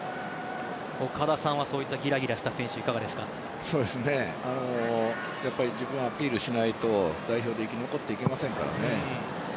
岡田さんはそういったギラギラした選手自分をアピールしないと代表で生き残っていけませんからね。